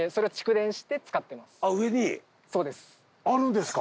あるんですか？